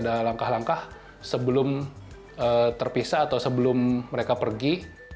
ada langkah langkah sebelum terpisah atau sebelum mereka pergi